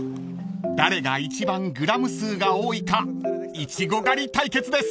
［誰が一番グラム数が多いかイチゴ狩り対決です］